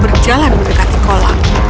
mereka berjalan mendekati kolam